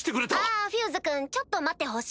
あフューズ君ちょっと待ってほしい。